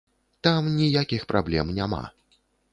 Там ніякіх праблем няма.